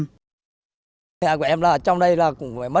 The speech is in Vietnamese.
bệnh viện từ dũ khai trương ngân hàng sữa mẹ